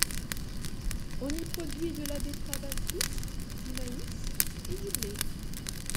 On y produit de la betterave à sucre, du maïs et du blé.